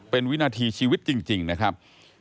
เป็นวินาทีชีวิตจริงนะครับ